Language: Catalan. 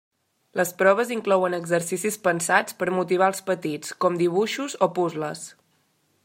Les proves inclouen exercicis pensats per motivar els petits, com dibuixos o puzles.